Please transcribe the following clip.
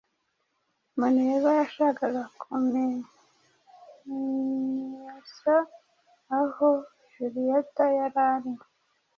Muneza yashakaga kumenysa aho Julieta yari ari.